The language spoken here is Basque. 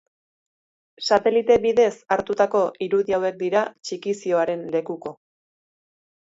Satelite bidez hartutako irudi hauek dira txikizioaren lekuko.